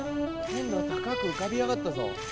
今度は高く浮かび上がったぞ。